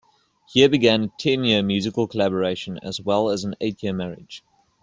Here began a ten-year musical collaboration as well as an eight-year marriage.